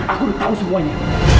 aku tahu semuanya